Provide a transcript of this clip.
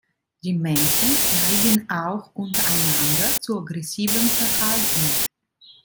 Die Männchen neigen auch untereinander zu aggressivem Verhalten.